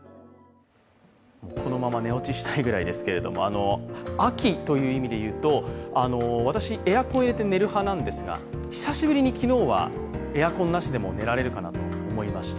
このまま寝落ちしたいぐらいですけど秋という意味で言うと、私、エアコン入れて寝る派なんですが久しぶりに昨日はエアコンなしでも寝られるかなと思いました。